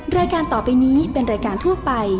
รายการต่อไปนี้เป็นรายการทั่วไป